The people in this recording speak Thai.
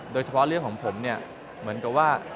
โดยเฉพาะเรื่องของผมเนี่ยเหมือนกับว่า